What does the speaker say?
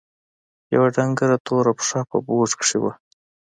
يوه ډنګره توره پښه په بوټ کښې وه.